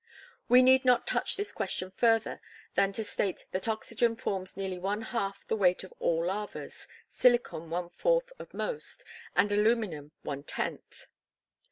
We need not touch this question further than to state that oxygen forms nearly one half the weight of all lavas, silicon one fourth of most, and aluminum one tenth.